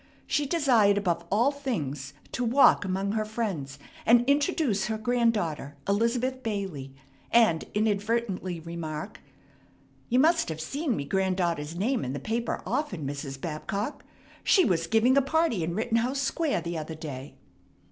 She desired above all things to walk among her friends, and introduce her granddaughter, Elizabeth Bailey, and inadvertently remark: "You must have seen me granddaughter's name in the paper often, Mrs. Babcock. She was giving a party in Rittenhouse Square the other day."